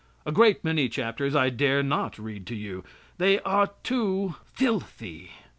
A great many chapters I dare not read to you. They are too filthy.